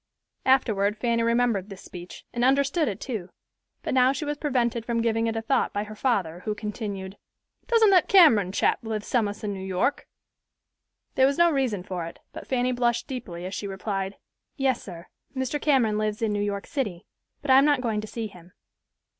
Afterward Fanny remembered this speech, and understood it, too; but now she was prevented from giving it a thought by her father, who continued, "Doesn't that Cameron chap live some'us in New York?" There was no reason for it, but Fanny blushed deeply as she replied, "Yes, sir; Mr. Cameron lives in New York City; but I am not going to see him."